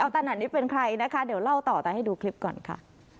ตนันนี้เป็นใครนะคะเดี๋ยวเล่าต่อแต่ให้ดูคลิปก่อนค่ะ